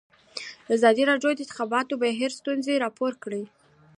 ازادي راډیو د د انتخاباتو بهیر ستونزې راپور کړي.